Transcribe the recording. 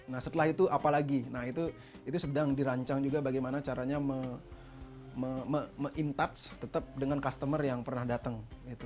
nah setelah itu apalagi nah itu sedang dirancang juga bagaimana caranya meng in touch tetap dengan customer yang pernah datang